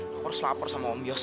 lu harus lapor sama om yos